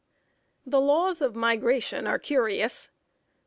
The laws of migration are curious.